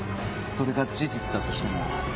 それが事実だとしても。